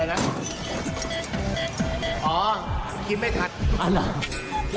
กลับกันอีกครั้ง